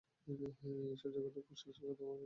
ঈশ্বর ও জগৎরূপ কুসংস্কারের কথা বলিও না।